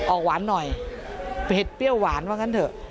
ออกหวานหน่อยเผ็ดเปรี้ยวหวานว่างั้นเถอะ